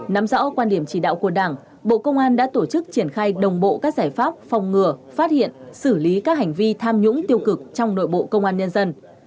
nắm rõ quan điểm chỉ đạo của đảng bộ công an đã tổ chức triển khai đồng bộ các giải pháp phòng ngừa phát hiện xử lý các hành vi tham nhũng tiêu cực trong nội bộ công an nhân dân